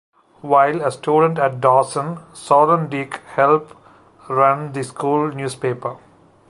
While a student at Dawson, Soltendieck helped run the school newspaper.